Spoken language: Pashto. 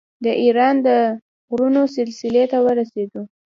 د ایران د غرونو سلسلې ته ورسېدو.